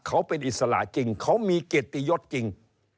เขาเป็นอิสระจริงเขามีเกียรติยศจริง